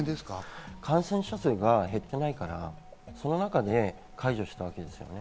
感染者数が減ってないから、その中で解除したわけですよね。